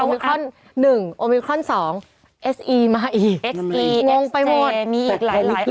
มิครอน๑โอมิครอน๒เอสอีมาอีเอสอีงงไปหมดมีอีกหลายหลายคน